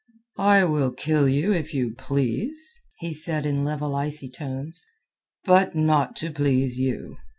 "I will kill you if I please," he said in level icy tones. "But not to please you.